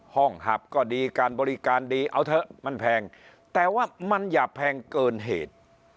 หับก็ดีการบริการดีเอาเถอะมันแพงแต่ว่ามันอย่าแพงเกินเหตุ